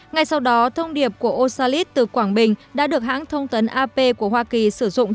ngay sau đó thông điệp của osalit từ quảng bình đã được hãng thông tấn ap của hoa kỳ sử dụng